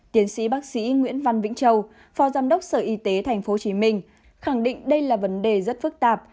tiến sĩ bác sĩ nguyễn văn vĩnh châu phó giám đốc sở y tế tp hcm khẳng định đây là vấn đề rất phức tạp